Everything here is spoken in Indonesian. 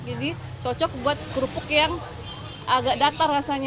jadi cocok buat kerupuk yang agak datar rasanya